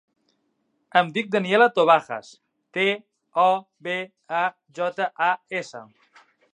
Em dic Daniella Tobajas: te, o, be, a, jota, a, essa.